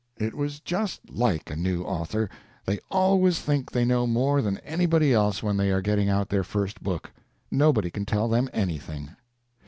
It was just like a new author. They always think they know more than anybody else when they are getting out their first book. Nobody can tell them anything.